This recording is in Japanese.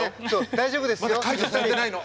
大丈夫ですよ。